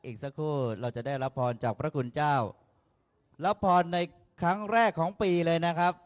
อีกสักครู่เราจะได้รับพรจากพระคุณเจ้ารับพรในครั้งแรกของปีเลยนะครับ